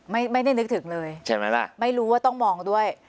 ไม่ได้นึกถึงเลยใช่ไหมล่ะไม่รู้ว่าต้องมองด้วย